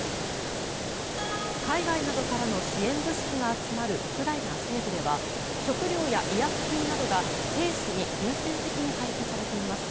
海外などからの支援物資が集まるウクライナ西部では食料や医薬品などが兵士に優先的に配布されています。